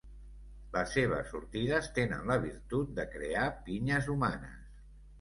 Les seves sortides tenen la virtut de crear pinyes humanes.